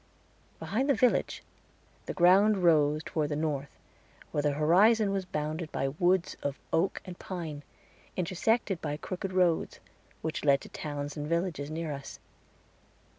Behind the village, the ground rose toward the north, where the horizon was bounded by woods of oak and pine, intersected by crooked roads, which led to towns and villages near us.